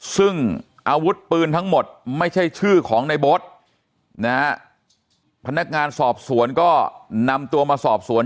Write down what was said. ซึ่งอาวุธปืนทั้งหมดไม่ใช่ชื่อของในโบ๊ทนะฮะพนักงานสอบสวนก็นำตัวมาสอบสวน